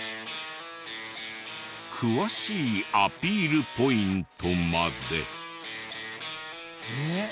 詳しいアピールポイントまで。